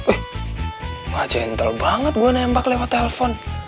ih lo aja gentle banget gua nembak lewat telpon